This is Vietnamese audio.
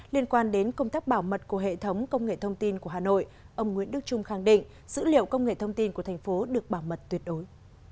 liên quan đến công tác bảo mật của hệ thống công nghệ thông tin của hà nội ông nguyễn đức trung khẳng định dữ liệu công nghệ thông tin của thành phố được bảo mật tuyệt đối